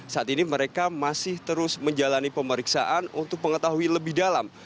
saat ini mereka masih terus menjalani pemeriksaan untuk mengetahui lebih dalam